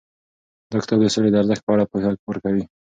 دا کتاب د سولې د ارزښت په اړه پوهه ورکوي.